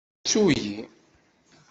Ttu-iyi.